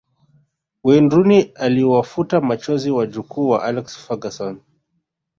Wayne Rooney aliwafuta machozi wajukuu wa Alex Ferguson